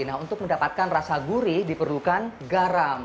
nah untuk mendapatkan rasa gurih diperlukan garam